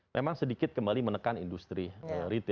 memang sedikit kembali menekan industri retail